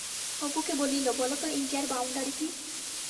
অপুকে বলিল, বলো তো ইন্ডিয়ার বাউন্ডারি কি?